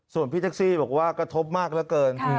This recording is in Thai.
ส่วนพี่แท็กซี่บอกว่ากระทบมากเหลือเกิน